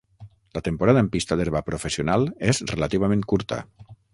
La temporada en pista d'herba professional és relativament curta.